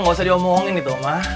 nggak usah diomongin itu ma